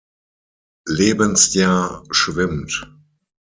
Lebensjahr schwimmt.